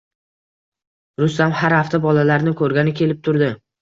Rustam har hafta bolalarni ko`rgani kelib turdi